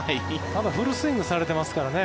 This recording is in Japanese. フルスイングされてますからね。